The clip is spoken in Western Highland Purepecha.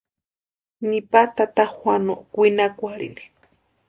Nipa tata Juanuo kwinakwarhini.